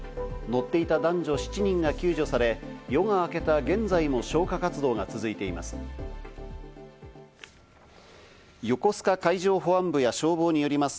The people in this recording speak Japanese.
乗っていた男女７人が救助され、夜が明けた現在も消火活動が続いています。